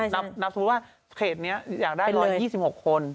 แล้วเขาก็จะนับสมมุติว่าเขตนี้อยากได้๑๒๖คน